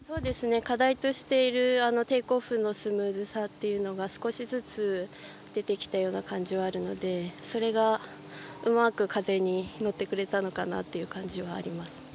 課題としているテイクオフのスムーズさっていうのが少しずつ出てきたような感じはあるのでそれがうまく風に乗ってくれたのかなっていう感じはあります。